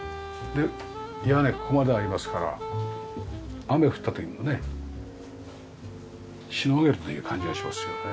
で屋根ここまでありますから雨降った時もねしのげるという感じがしますよね。